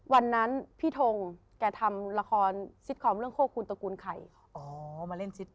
วันนั้นพี่ทงทำละครซิตคอมเรื่องโฆษณ์คูณตกูลใคร